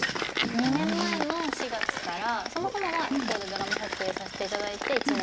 ２年前の４月からそもそもは向こうでドラマ撮影させて頂いて１年間。